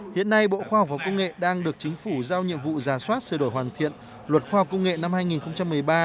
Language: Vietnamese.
hiện nay bộ khoa học và công nghệ đang được chính phủ giao nhiệm vụ giả soát sửa đổi hoàn thiện luật khoa học công nghệ năm hai nghìn một mươi ba